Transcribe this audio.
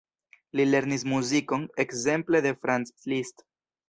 Li lernis muzikon ekzemple de Franz Liszt.